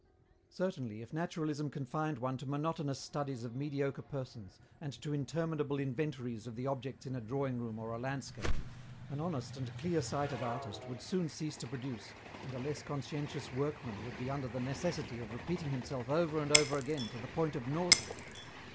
Certainly if naturalism confined one to monotonous studies of mediocre persons and to interminable inventories of the objects in a drawing room or a landscape, an honest and clear sighted artist would soon cease to produce, and a less conscientious workman would be under the necessity of repeating himself over and over again to the point of nausea.